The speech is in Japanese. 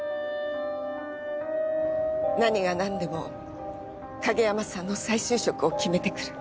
何がなんでも景山さんの再就職を決めてくる。